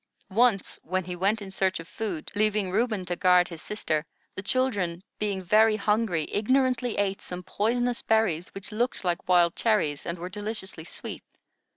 Once, when he went in search of food, leaving Reuben to guard his sister, the children, being very hungry, ignorantly ate some poisonous berries which looked like wild cherries, and were deliciously sweet.